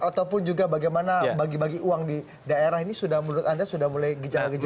ataupun juga bagaimana bagi bagi uang di daerah ini sudah menurut anda sudah mulai gejala gejala